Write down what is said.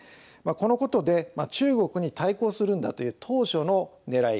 このことで中国に対抗するんだという当初のねらい